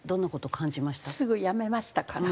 すぐ辞めましたから。